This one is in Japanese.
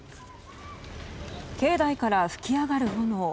境内から噴き上がる炎。